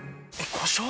故障？